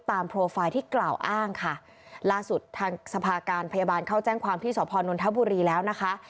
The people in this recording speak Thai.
โปรไฟล์ที่กล่าวอ้างค่ะล่าสุดทางสภาการพยาบาลเข้าแจ้งความที่สพนนทบุรีแล้วนะคะ